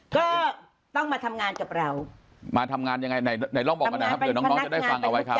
ก็ต้องมาทำงานกับเรามาทำงานยังไงไหนลองบอกมาหน่อยครับเผื่อน้องจะได้ฟังเอาไว้ครับ